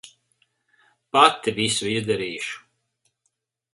Pati visu izdarīšu.